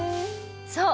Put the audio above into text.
そう！